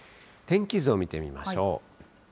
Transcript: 天気図を見てみましょう。